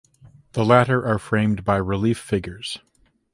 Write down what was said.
The latter are framed by relief figures.